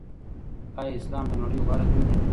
آيا اسلام دنړۍ غوره دين دې